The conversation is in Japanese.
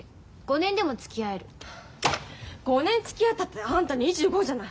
５年つきあったってあんた２５じゃない。